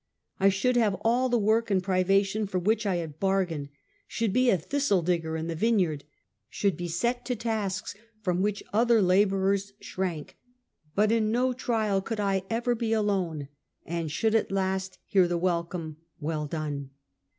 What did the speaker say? I should have all the work and privation for which I had bargained — should be a thistle digger in the vineyard ; should be set to tasks from which other laborers shra.nk, but in no trial could I ever be alone, and should at last hear the welcome "well done."